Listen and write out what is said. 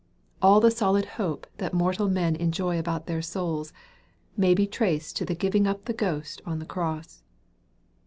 All the solid hope that mortal men enjoy about their souls, may be traced to the giving up the ghost on the cross.